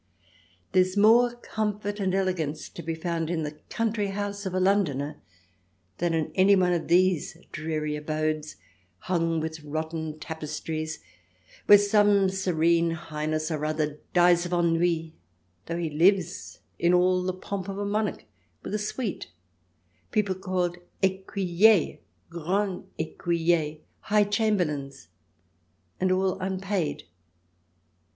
... There's more comfort and elegance to be found in the country house of a Londoner, than in any one of these dreary abodes, hung with rotten tapestries, where some Serene Highness or other dies of ennui, though he lives in all the pomp of a monarch, with i^ THE DESIRABLE ALIEN [ch. xix a suite — people called JEcuyers, Grand Ecuyers, High Chamberlains — and all unpaid.